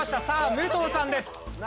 さあ武藤さんです。